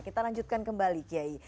kita lanjutkan kembali